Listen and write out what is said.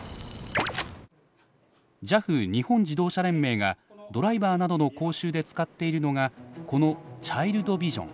ＪＡＦ日本自動車連盟がドライバーなどの講習で使っているのがこのチャイルドビジョン。